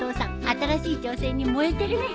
新しい挑戦に燃えてるね。